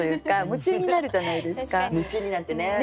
夢中になってね。